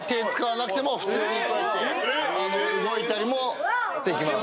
普通にこうやって動いたりもできます